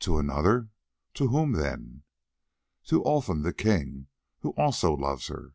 "To another! To whom then?" "To Olfan the king, who also loves her."